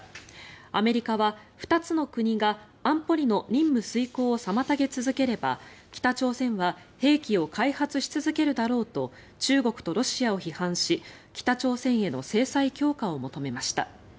アメリカは２つの国が安保理の任務遂行を妨げ続ければ北朝鮮は兵器を開発し続けるだろうと中国とロシアを批判し北朝鮮への制裁強化を求めました。